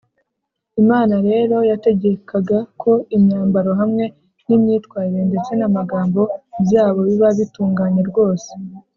imana rero yategekaga ko imyambaro hamwe n’imyitwarire ndetse n’amagambo byabo biba bitunganye rwose